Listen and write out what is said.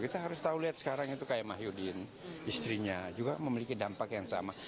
kita harus tahu lihat sekarang itu kayak mahyudin istrinya juga memiliki dampak yang sama